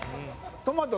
トマト